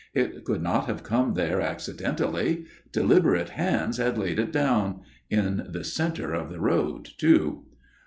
It could not have come there accidentally. Deliberate hands had laid it down; in the centre of the road, too.